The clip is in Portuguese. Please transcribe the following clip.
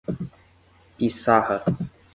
Piçarra